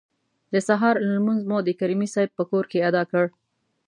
د سهار لمونځ مو د کریمي صیب په کور کې ادا کړ.